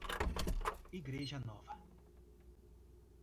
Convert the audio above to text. Igreja Nova